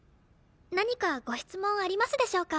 何かご質問ありますでしょうか？